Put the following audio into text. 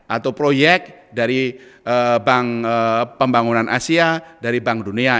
atau proyek dari bank pembangunan asia dari bank dunia